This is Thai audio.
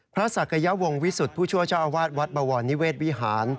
พระศักยวงศ์วิสุธผู้ชัวร์ชาวอาวาสวัดบวรนิเวศวิหาร